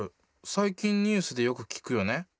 最近ニュースでよく聞くよね。